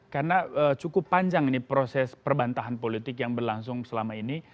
karena cukup panjang ini proses perbantahan politik yang berlangsung selama ini